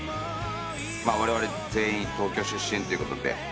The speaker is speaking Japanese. われわれ全員東京出身ということで。